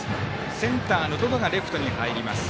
センターの百々がレフトに入ります。